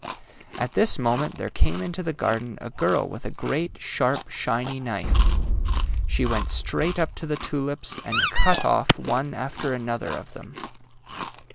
At this moment there came into the garden a girl with a great sharp, shiny knife. She went straight up to the tulips and cut off one after another of them.